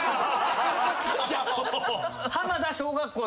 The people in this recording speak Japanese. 浜田小学校。